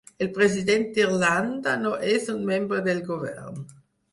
El president d'Irlanda no és un membre del govern.